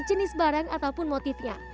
jenis barang ataupun motifnya